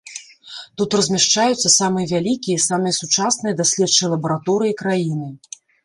Тут размяшчаюцца самыя вялікія і самыя сучасныя даследчыя лабараторыі краіны.